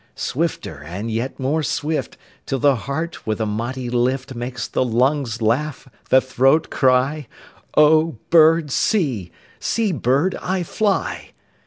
Swifter and yet more swift, 5 Till the heart with a mighty lift Makes the lungs laugh, the throat cry:— 'O bird, see; see, bird, I fly.